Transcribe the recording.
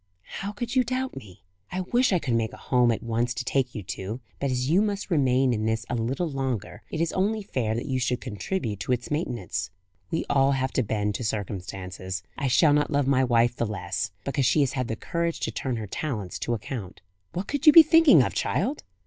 "How could you doubt me? I wish I could make a home at once to take you to; but as you must remain in this a little longer, it is only fair that you should contribute to its maintenance. We all have to bend to circumstances. I shall not love my wife the less, because she has had the courage to turn her talents to account. What could you be thinking of, child?"